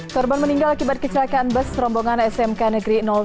korban meninggal akibat kecelakaan bus rombongan smk negeri dua